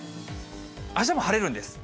あしたも晴れるんです。